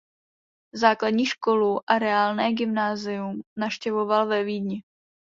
Základní školu a reálné gymnázium navštěvoval ve Vídni.